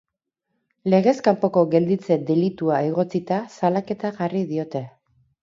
Legez kanpoko gelditze delitua egotzita salaketa jarri diote.